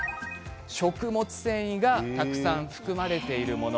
食物繊維がたくさん含まれているもの。